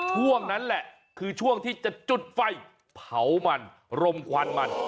ช่วงนั้นแหละคือช่วงที่จะจุดไฟเผามันรมควันมัน